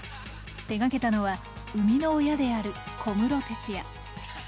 手がけたのは生みの親である小室哲哉。